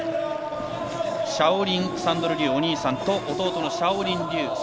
シャオリンサンドル・リューお兄さんと弟のシャオアン・リュー。